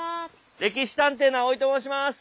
「歴史探偵」の青井と申します！